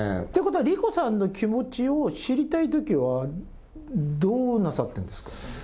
ということは、理子さんの気持ちを知りたいときは、どうなさってるんですか。